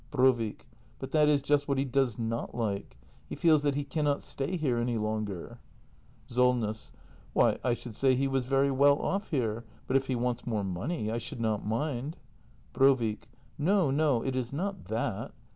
Brovik. But that is just what he does not like. He feels that he cannot stay here any longer. SOLNESS. Why, I should say he was very well off here. But if he wants more money, I should not mind Brovik. No, no! It is not that.